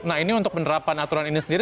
nah ini untuk penerapan aturan ini sendiri